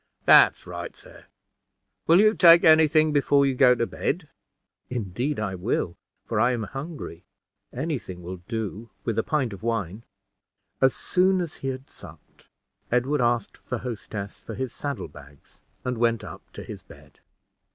"That's right, sir. Will you take any thing before you go to bed?" "Indeed I will, for I am hungry; any thing will do, with a pint of wine." As soon as he had supped, Edward asked the hostess for his saddle bags, and went up to his bed.